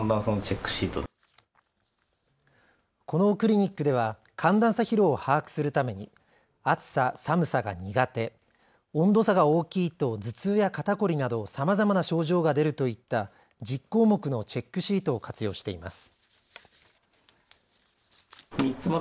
このクリニックでは寒暖差疲労を把握するために暑さ、寒さが苦手温度差が大きいと頭痛や肩こりなどさまざまな症状が出るといった１０項目のチェックシートを活用しています。